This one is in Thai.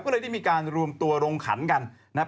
ก็เลยได้มีการรวมตัวลงขันกันนะครับ